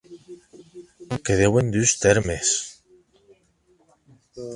Que deuen dus tèrmes.